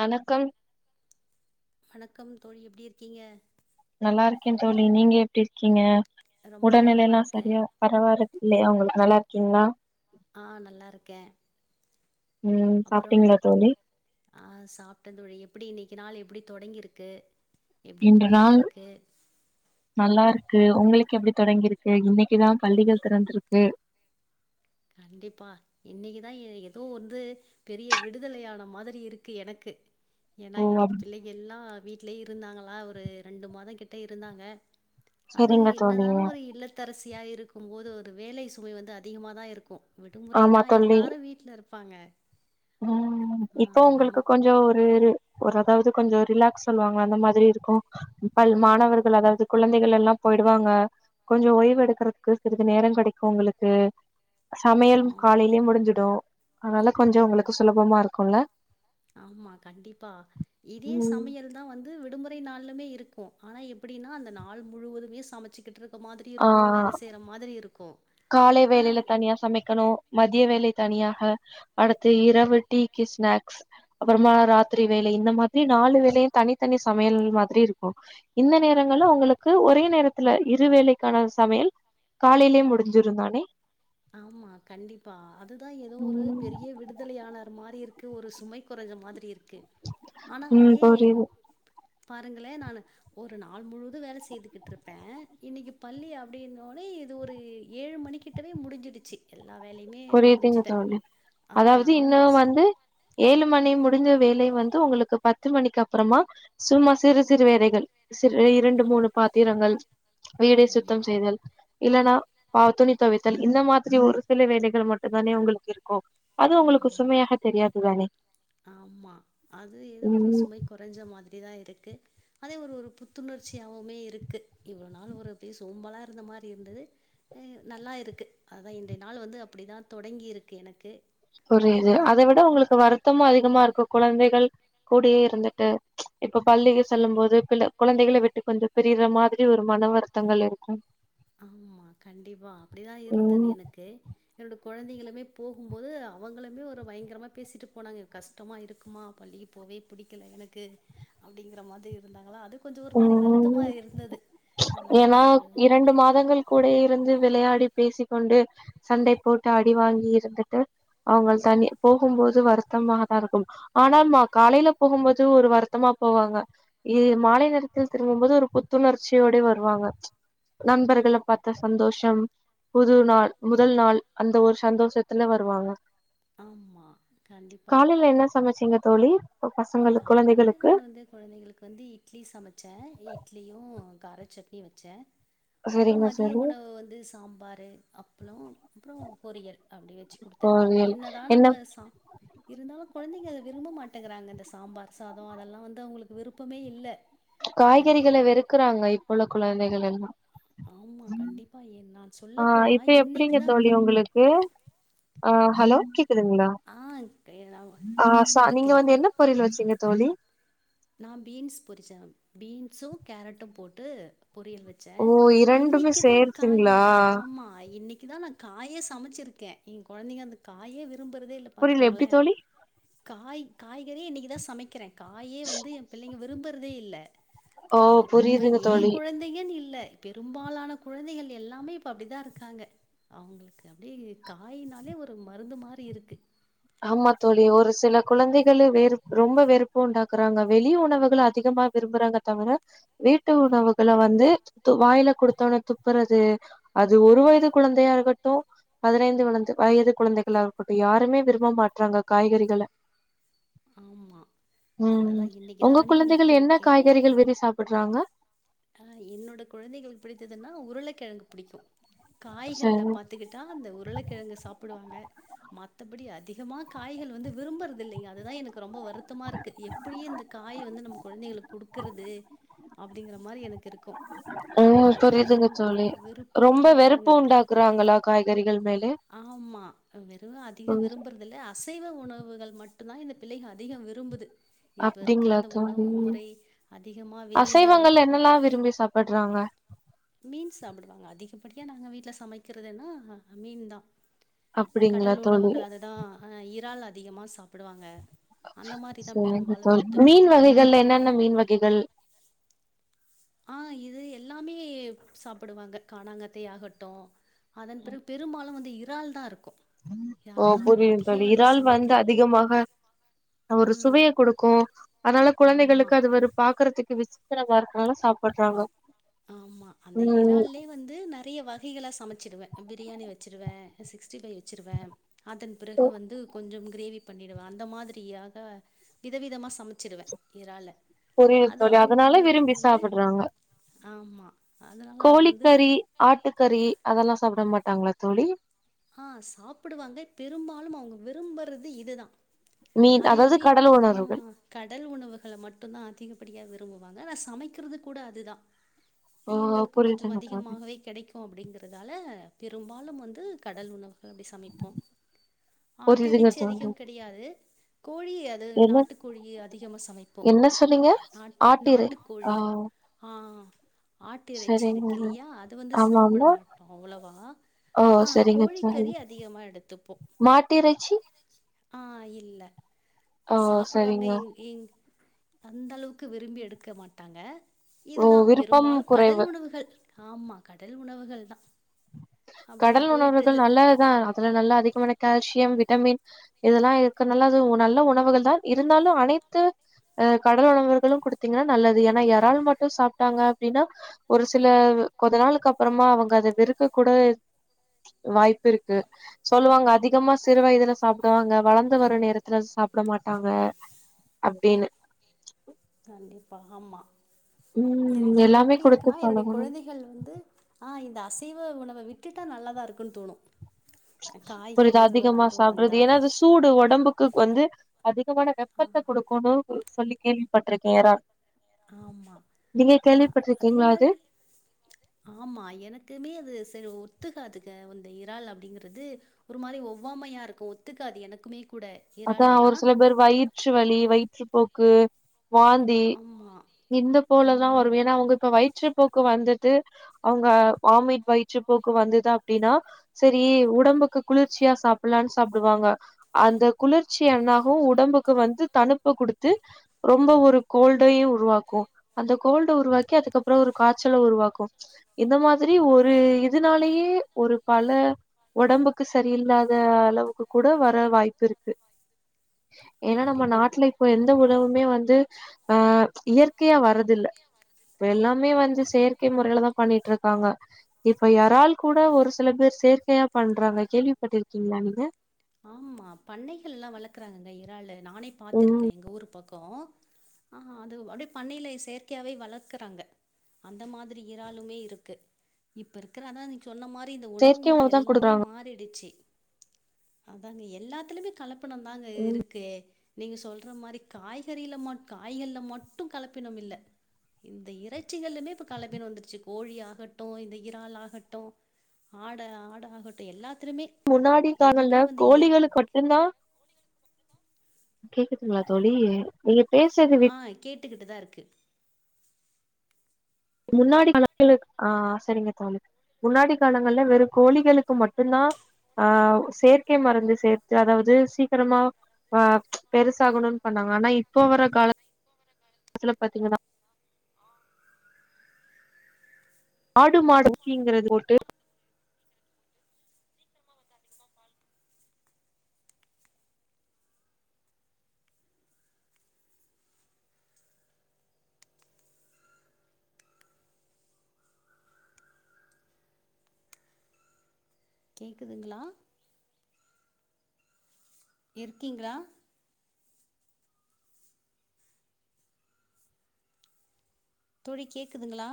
வணக்கம் வணக்கம் தோழி எப்டி இருக்கீங்க நல்லா இருக்கே தோழி நீங்க எப்டி இருக்கீங்க ரொம்ப உடல்நிலை நலமா எல்லா இருக்கே சரியா பரவாற இல்லையா உங்களுக்கு நல்லா இருக்கீங்ளா ஆ நல்லா இருக்கே ம் அப்புறம் சாப்ட்டீங்களா தோழி ஆ சாப்ட்ட தோழி எப்டி இன்னிக்கு நாள் எப்டி தொடங்கிருக்கு எப்டி இன்று நாள் போய்கிட்ருக்கு நல்லா இருக்கு உங்களுக்கு எப்டி தொடங்கிருக்கு இன்னைக்குதா பள்ளிகள் திறந்திருக்கு கண்டிப்பா இன்னிக்குதா ஏ ஏதோ வந்து பெரிய விடுதலையான மாதிரி இருக்கு எனக்கு ஏன்னா ஓ இன்னிக்கு அப் பிள்ளைக எல்லா வீட்லே இருந்தாங்களா ஒரு ரெண்டு மாத கிட்ட இருந்தாங்க அது சரிங்க தோழி என்னதான ஒரு இல்லத் தரசியா இருக்கும் போது ஒரு வேலை சுமை வந்து அதிகமா தா இருக்கு ஆமா விடுமுறைனா தோழி எல்லாரு வீட்ல இருப் பாங்க ம் இப்போ உங்களுக்கு கொஞ்சோ ஒரு ஒரு அதாவது கொஞ்சோ ரிலாக்ஸ் சொல்லுவாங்க அந்த மாதிரி இருக்கு பல் ஆமா மாணவர்கள் அதாவது குழந்தைகள் எல்லா போயிடுவாங்க கொஞ்சோ ஓய்வு எடுக்கறக்கு சிறிது நேரோ கெடைக்கு உங்களுக்கு சமயலும் ஆமா காலைலே முடிஞ்சிடு அதனால கொஞ்ச ம் உங்களுக்கு சுலபமா இருக்குல ஆமா கண்டிப்பா இதே சமயல் தா வந்து விடுமுறை நாள்லமே இருக்கு ஆனா எப்டின்னா அந்த நாள் முழுவதுமே சமச்சுக்கிட்ருக் க்கு மாதிரி ஆ இருக்கு வேல செய்ற மாதிரி இருக்கு காலை வேலையில தனியா சமைக்கணு மதிய வேலை தனியாக அடுத்து இரவு டீக்கி ஸ்நாக்ஸ் அப்புறமா ராத்திரி வேலை இந்த மாதிரி நாலு வேலையும் தனித்தனி சமையல் மாதிரி இருக்கு இந்த நேரங்கள்ள உங்களுக்கு ஒரே நேரத்துல இரு வேளைக்கான சமையல் காலைலயே முடிஞ்சி திருந்தானே ஆமா கண்டிப்பா அதுதா ஏதோ ஒரு ம் பெரிய விடுதலையானர் மாரி இருக் க்கு ஒரு சுமை குறைஞ்ச மாதிரி இருக்கு ஆனா ம் அதே புரியுது பாருங்களே நானு ஒரு நாள் முழுவது வேல செய்துகிட்ருப்ப இன்னக்கி பள்ளி அப்டின்னோனே இது ஒரு இ ஏழு மணிக்கிட்டவே முடிஞ்சிடுச்சி எல்லா வேலையுமே புரியுதுங்க முடிச்சிட்ட தோழி ஆஹ அதாவது இன்னு நான்மிஸ் வந்து ஏழு மணி முடிஞ்ச வேலை வந்து உங்ளுக்கு பத்து மணிக்கு அப்பறமா சும்மா சிறு சிறு வேலைகள் சிறு இரண்டு மூணு பாத்திரங்கள் வீடு ஆமா சுத்தம் செய்தல் இல்லன்னா பா துணி துவைத்தல் இந்த மாதிரி ஒரு சில வேலைகள் இதுல மட்டு தானே உங்ளுக்கு இருக்கு அது உங்ளுக்கு ஆமா சுமையாக தெரியாது தானே ஆமா அது ஏதோ ஒரு ம் சுமை குறைஞ்ச மாதிரிதா இருக்கு அதே ஒரு ஒரு புத்துணர்ச்சியாவுமே இருக்கு இவ்ளநாள் ஒரு அதே சோம்பலா இருந்த மாரி இருந்தது து நல்லா இருக்கு அதா இன்றைய நாள் வந்து அப்டி தா தொடங்கியிருக்கு எனக்கு புரியுது உம் அத விட உங்ளுக்கு வருத்தமு அதிகமா இருக்கு கொழந்தைகள் கூடயே இருந்துட்டு இப்ப பள்ளிக்கு சொல்லும் போது பிள்ள கெழந்தைகள விட்டுக் கொஞ்ச பிரியிற மாதிரி ஒரு மன வருத்தங்கள் இருக்கும் ஆமா கண்டிப்பா அப்டிதா இருந்தது ம் எனக்கு என்னோடய கெழந்தைளுமே போகும்போது அவங்களுமே ஒரு பயங்கரமா பேசிட் போனாங்க கஷ்டமா இருக்குமா பள்ளி போவே பிடிக்கல எனக்கு அப்டிங்கிற மாதிரி இருந்தாங்களா அதுக் கொஞ்ச ஒரு மாரி வருத்தமா இருந்தது இவ்வளோ ஏனா இரண்டு மாதங்கள் கூடயே இருந்து விளையாடி பேசிக்கொண்டு சண்டை போட்டு அடி வாங்கி இருந்துட்டு அவங்க தனி போகும்போது வருத்தமாக தா இருக்கும் ஆனா காலையில போகும்போது ஒரு வருத்தமா நாள் போவாங்க இது மாலை நேரத்தில் திரும்பும்போது ஒரு புத்துணர்ச்சியோட வருவாங்க நண்பர்கள பாத்த சந்தோஷம் புது நாள் முதல் நாள் அந்த ஒரு சந்தோஷத்துல வருவாங்க ஆமா கண்டிப்பா காலையில என்ன சமைச்சீங்க தோழி பசங்களுக்கு காலையில குழந்தைகளுக்கு நான் வந்து கொழந்தைங்களுக்கு வந்து இட்லி சமச்ச இட்லியும் கார சட்னியு வச்ச அப்ரோ சரிங்க மதிய சரி உணவு வந்து சாம்பாரு அப்ளோ அப்ரோ பொரியல் அப்டி வச்சி குடுத்த பொரியல் என்னதா என்ன நம்ம சா இருந்தாலு கொழந்தைங்க அத விரும்ப மாட்டங்கறாங்க அந் சாம்பார் சாதம் அதெல்லா வந்து அவங்களுக்கு விருப்பமே இல்ல காய்கறிகள அஹ் வெறுக்குறாங்க இப்போ உள்ள கொழந்தைகள் எல்லா ஆமா கண்டிப்பா ஏ நா சொல்ல போனா இன்னக்கி தா காய் ஏ ஆ ஹலோ கேக்குதுங்ளா ஆ க- நான் அ ச நீங்க இருக்கேன் வந்து என்ன பொரியல் வச்சீங்க தோழி நா பீன்ஸ் பொரிச்ச பீன்ஸ்சு கேரட்டும் போட்டு பொரியல் வச்ச ஓ இரண்டுமே இன்னக்கி தா சேர்த்துங்களா காயுமே ஆமா இன்னக்கி தா நா காயே சமச்சிருக்க ஏ கொழந்தைங்க அந்த காயே விரும்பறதே இல்ல புரியல எப்டி பாத்துக்கோங்கள தோழி காய் காய்கறீயே இன்னக்கிதா சமைக்கிறே காயே வந்து எ பிள்ளைங்க விரும்புறதே இல்ல ஓ அது இப்ப புரியுதுங்க ஏ கொழந் தோழி கொழந்தைங்கன்னு இல்ல பெரும்பாலான குழந்தைகள் எல்லாமே இப்ப அப்டிதா இருக்காங்க அவுங்குளுக்கு அப்டியே காயினாலே ஒரு மருந்து மாரி இருக்கு ஆமா தோழி ஒரு சில குழந்தைகள் வேறு ரொம்ப வெறுப்பு உண்டாக்குறாங்க வெளிய உணவுகள அதிகமா விரும்புறாங்க தவிர வீட்டு உணவுகள வந்து வாயில குடுத்தவொன்ன துப்புறது அது ஒரு வயது குழந்தையா இருக்கட்டோ பதினைந்து வளந்து வயது குழந்தகளா இருக்கட்டோ யாருமே விரும் விரும்ப மாட்டறாங்க காய்கறிகள ஆமா ம் அதா இன்னிக்கிதா உங்க அனுப்பி குழந்தைகள் விட்டு என்ன இருக்கே காய்கறிகள் விரும்பி சாப்புட்றாங்க என்னோட கொழந்தைகுளுக்கு பிடித்ததுன்னா உருளைக்கிழங்கு பிடிக்கோ காய்கல சரி பாத்துக்கிட் ட்டா அந்த உருளைக்கெழங்கு சாப்புடுவாங்க மத்தபடி அதிகமா காய்கள் வந்து விரும்புறதில்லைங்க அ துதா எனக்கு ரொம்ப வருத்தமா இருக்கு எப்டியே இந்த காய் வந்து நம்ம கொழந்தைகளுக்கு குடுக்கறது அப்டீங்குற மாரி எனக்கு இருக்கோ ம் அது புரியுதுங்க வெரும் தோழி விருப்பமே ரொம்ப இல்ல வெறுப்பு அவுங்குளுக்கு உண்டாக்குறாங்களா காய்கறிகள் மேலே ஆமா வெறும் அதிகோ விரும்புறத் திலே அசைவ உணவுகள் மட்டுந்தா இந்த பிள்ளைகள் அதிகோ விரும்புது இப்ப இருக்குற அப்டிங்களா அந்த உணவு தோழி முறை அதிகமா வெளில பட்றாங்க மீன் சாப்புடுவாங்க அதிகப்படியா நாங்க வீட்ல சமைக்கிறதுன்னா மீன் தா அப்டிங்களா கடல் தோழி உணவுகள் அதுதா ஆ இறால் அதிகமா சாப்புடுவாங்க அந்த மாரிதா பெரும்பாலு எடுத்துப்போ மீன்கள்ல என்னென்ன மீன் வகைகள் ஆ இது எல்லாமே சாப்புடுவாங்க காணாங்காத்தே ஆகட்டோ அதன் பிறவு பெரும்பாலு வந்து இறால்தா இருக்கோ ஓ புரியு தோழி இறால் வந்து சமைக்கிறது அதிகமாக ஒரு ம் சுவைய குடுக்கோ அதனால ஆமா குழந்தைகுளுக்கு அது வரு பாக்குறதுக்கு விசித்திரமா இருக்கிறதுனால சாப்புட்றாங்க ஆமா அந்த ம் இறால்யே வந்து நறிய வகைகளா சமைச்சுடுவே பிரியாணி வெச்சிருவே சிக்ஸ் டி ஃபை வெச் ச்சிருவே அதன் பிறகு வந்து கொஞ்சம் கிரேவி பண்ணிடுவே அந்த மாதிரியாக விதவிதமா சமைச்சிருவே இறால்ல புரியுது அது தோழி அதனால அவங்குளுக்கு விரும்பி வந்து சாப்புட்றாங்க ஆமா அதனால அது வந்து கோழிக்கறி ஆட்டுக்கறி அதெல்லா சாப்புட மாட்டாங்களா தோழி ஆ சாப்புடுவாங்க பெரும்பாலு அவுங்க விரும்புறது இதுதா மீன் அதே அதாவது மாரி கடல் ஆ உணர்வுகள் கடல் உணவுகள மட்டுந்தா அதிகப்படியா விரும்புவாங்க ஆனா சமைக்கிறது கூட அதுதா சீ ஓ எங்குளுக்கு கொஞ்சம் புரியுதுங்க தோழி அதிகமாவே கெடைக்கும் கோ அப்டீங்கிறதால பெரும்பாலு வந்து கடல் உணவுகள் அப்டி சமைப்போ புரியுதுங்க ஆட்டிறைச்சி தோழி அதிகம் கெடையாது கோழி அ து என்ன நாட்டுக்கோழி அதிகமா சமைப்போ என்ன சொன்னீங்க நாட்டு ஆட்டிறை ஆ நாட்டுக்கோழி ஆ ஆட்டிறைச்சி சரிங்க இருக்கு இல்லியா அது வந்து ஆமா சாப்புட ஆமா மாட்டோ அவ்வளவா ஓ ஆ சரிங்க தோழி கோழிக்கறி அதிகமா எடுத்துப்போ மாட்டிறைச்சி ஆ இல்ல ஓ சாப்புடுவாங்க சரிங்க இங்கி இங் அந்த அளவுக்கு விரும்பி எடுக்க மாட்டாங்க ஓ இதுதா விருப்பம் பெரும்பாலு கடல் குறைவு உணவுகள் ஆமா கடல் உணவுகள் தா கடல் உணர்வுகள் நல்லதுதா அதுல நல்லா அதிகமான கால்சியம் விட்டமின் இதெல்லா இருக்கனால அது நல்ல உணவுகள் தா இருந்தாலும் அனைத்து அ கடல் உணவுர்களும் குடுத்தீங்கன்னா நல்லது ஏன்னா எறால் மட்டு சாப்ட்டாங்க அப்டின்னா ஒரு சில கொஞ்ச நாளுக்கு அப்பறமா அவங்க அதை வெரு இக்க கூட வாய்ப்பு இருக்கு சொல்லுவாங்க அதிகமா சிறு வயதுல சாப்புடுவாங்க வளந்து வரும் நேரத்துல சாப்புட மாட்டாங்க அப்டின்னு கண்டிப்பா ஆமா ம் எனக் எனக்கு எல்லாமே எப்டி குடுத்து இருக்குன்னா என்னுடைய பழகணு கொழந்தைகள் வந்து ஆ இந்த அசைவ உணவ விட்டுட்டா நல்லாதா இருக்குன்னு தோணும் ஒரு காய்கள் இது மீது அதிகமா ஆர்வம் வந்தா, சாப்பிட்றது ஏன்னா அது சூடு ஒடம்புக்கு வந்து அதிகமான ஆ வெப்பத்த குடுக்குன்னு சொல்லி கேள்விப்பட்டிருக்கே எறா ஆமா ஆ அதே அது மாறி ஆமா எனக்குமே அது சரி ஒத்துகாதுங்க அந்த இறால் அப்படிங்கிறது ஒரு மாறி ஒவ்வாமையா இருக்கும் ஒத்துக்காது எனக்குமே கூட அத்தா இறால் ஒரு எல்லாம். சில பேர் வயிற்று வலி வயிற்றுப்போக்கு வாந்தி ஆமா இந்த போலதா ம் வரு ஏன்னா அவங்க இப்ப வயிற்று போக்கு வந்துட்டு அவங்க வாமிட் வயிற்று போக்கு வந்தது அப்டின்னா சரி உடம்புக்கு குளிர்ச்சியா சாப்பிட்லான்னு சாப்புடுவாங்க அந்த குளிர்ச்சி எண்ணாகும் உடம்புக்கு வந்து தணுப்ப குடுத்து ரொம்ப ஒரு கோல்டையு உருவாக்கும் அந்த கோல்ட்ட உருவாக்கி அதுக்கப்றோ ஒரு காச்சல உருவாக்கும் இந்த மாதிரி ஒரு இதுனாலயே ஒரு பல ஒடம்புக்கு சரியில்லாத அளவுக்கு கூட வர வாய் ப்பு இருக்கு ஏன்னா நம்ம கண்டிப்பா நாட்லயு இப்ப எந்த உணவுமே வந்து அ இயற்கையா வரது தில்ல இப்ப எல்லாமே வந்து செயற்கை முறையிலதா பண்ணிட்டு இருக்காங்க இப்ப யரால் கூட ஒரு சில பேர் சேர்க்கையா பண்றாங்க கேள்விப்பட்டிருக்கீங்ளா நீங்க ஆமா பண்ணைகள்ல எல்லா வளக்கறாங்கங்க இறாளு நானே ம் பாத்துருக்கே எங்க ஊர் பக்கம் ஆ அது அப்டியே பண்ணையிலே செயற்கையாவே வளக்குறாங்க அந்த மாறி இறாளுமே இருக்கு இப்ப இருக் க்கற அத்தா நீ சொன்ன மாறி இந்த உணவு செயற்கை முறை தா எல்லாமே குடுக்குறாங்க மாறிடிச்சி அத்தாங்க எல்லாத்துலயுமே கலப்பணம் தாங்க ம் இருக்கு நீங்க சொல்ற மாறி காய்கறில மட் காய்கள்ல மட்டு கலப்பினம் இல்ல இந்த இறைச்சிகளுமே இப்ப கலப்பினம் வந்துருச்சு கோழி ஆகட்டும் இந்த இறால் ஆகட்டும் ஆடை ஆடு ஆகட்டும் எல்லாத்துலுமே முன்னாடி காலம்ல கோழிகள மட்டுந்தா கேக்குதுங்ளா தோழி நீங்க பேசுறது ஆ விட் கேட்டுக்கிட்டு தா இருக்கு முன்னாடி காலத்துல ஆ சரிங்க தோழி முன்னாடி காலங்கள்ல வெறும் கோழிகளுக்கு மட்டும் தா ஆ செயற்கை மருந்து சேர்த்து அதாவது சீக்கிரமா ஆ பெருசாகணுன்னு பண்ணாங்க ஆனா இப்ப வர கால காலத்துல பாத்தீங்கன்னா ஆடு மாடு [unintelligible] போட்டு எருமை பால் கேக்குதுங்ளா இருக்கீங்ளா தோழி கேக்குதுங்ளா